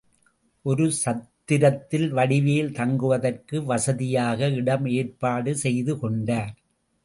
ஒரு சத்திரத்தில் வடிவேல் தங்குவதற்கு வசதியாக இடம் ஏற்பாடு செய்துகொண்டார்.